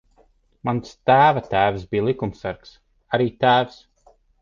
Mans tēva tēvs bija likumsargs. Arī tēvs.